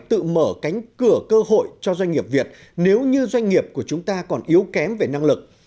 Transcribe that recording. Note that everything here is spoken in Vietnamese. tự mở cánh cửa cơ hội cho doanh nghiệp việt nếu như doanh nghiệp của chúng ta còn yếu kém về năng lực